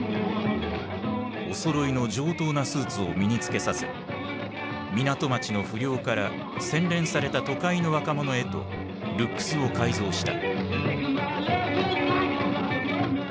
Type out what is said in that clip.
おそろいの上等なスーツを身に着けさせ港町の不良から洗練された都会の若者へとルックスを改造した。